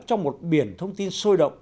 trong một biển thông tin sôi động